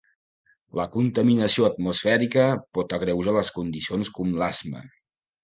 La contaminació atmosfèrica pot agreujar les condicions com l'asma.